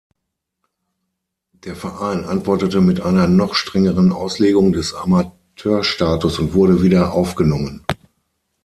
Der Verein antwortete mit einer noch strengeren Auslegung des Amateurstatus und wurde wieder aufgenommen.